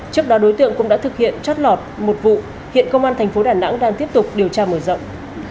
trước đó đối tượng cũng đã thực hiện chót lọt một vụ hiện công an thành phố đà nẵng đang tiếp tục điều tra mở rộng